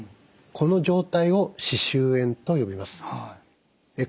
この状態を歯周炎と呼びます。